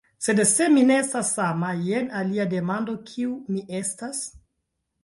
Sed se mi ne estas sama, jen alia demando; kiu mi estas?